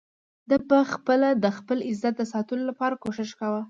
ده په خپله د خپل عزت د ساتلو لپاره کوشش کاوه.